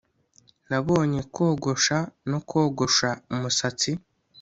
nabonye kogosha no kogosha umusatsi